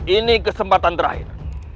ini kesempatan terakhir